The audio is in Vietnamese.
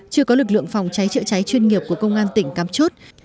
chưa có lực lượng phòng cháy chữa cháy chuyên nghiệp của công an tỉnh cắm chốt